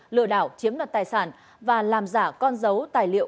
lừa đảo chiếm đoạt tài sản và làm giả con dấu tài liệu